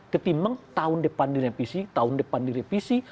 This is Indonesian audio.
tetapi memang tahun depan direvisi